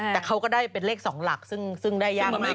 แต่เขาก็ได้เป็นเลข๒หลักซึ่งได้ยากมาก